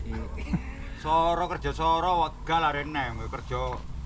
semua orang kerja semua orang warga lainnya yang mau kerja